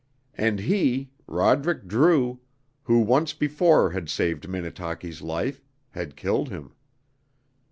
And he, Roderick Drew, who once before had saved Minnetaki's life, had killed him.